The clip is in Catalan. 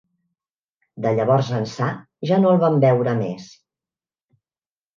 De llavors ençà, ja no el vam veure més.